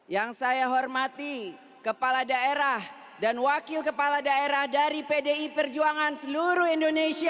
yang saya hormati kepala daerah dan wakil kepala daerah dari pdi perjuangan seluruh indonesia